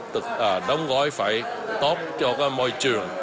toàn đông gói phải tốt cho môi trường